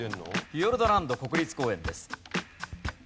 フィヨルドランド国立公園です。